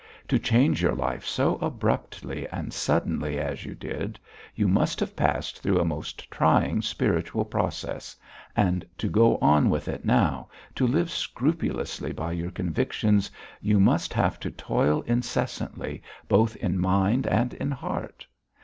To change your life so abruptly and suddenly as you did, you must have passed through a most trying spiritual process, and to go on with it now, to live scrupulously by your convictions, you must have to toil incessantly both in mind and in heart.